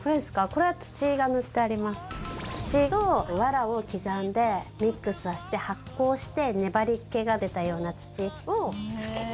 これは土と藁を刻んでミックスさせて発酵して粘り気が出たような土を付けて。